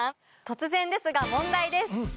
突然ですが問題です。